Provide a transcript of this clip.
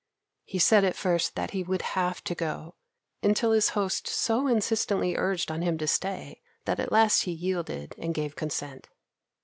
He said at first that he would have to go, until his host so insistently urged on him to stay that at last he yielded and gave consent.